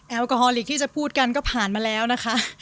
แอลกอฮอลิกที่จะพูดกันก็ผ่านมาแล้วนะคะ